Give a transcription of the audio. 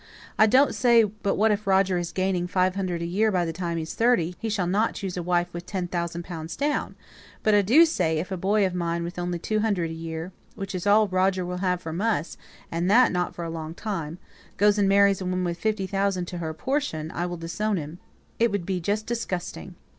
"I don't say but what if Roger is gaining five hundred a year by the time he's thirty, he shall not choose a wife with ten thousand pounds down; but I do say, if a boy of mine, with only two hundred a year which is all Roger will have from us, and that not for a long time goes and marries a woman with fifty thousand to her portion, I'll disown him it would be just disgusting."